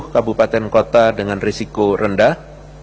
dua ratus sepuluh kabupaten kota dengan risiko rendah